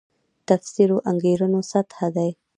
تفسیرو انګېرنو سطح دی.